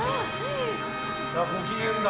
ご機嫌だ。